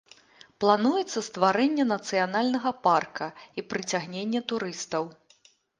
Плануецца стварэнне нацыянальнага парка і прыцягненне турыстаў.